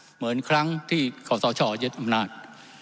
เหมือนครั้งที่ขอสชยึดอำนาจ